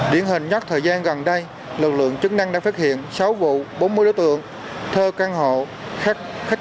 điển hình nhất thời gian gần đây lực lượng chức năng đã phát hiện sáu vụ bốn mươi đối tượng thơ căn hộ khách sạn